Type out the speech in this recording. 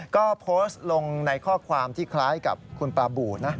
ก็โพสต์ลงในข้อความที่คล้ายกับคุณปลาบูนะ